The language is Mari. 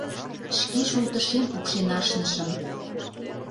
Шке шултышем пукшен ашнышым...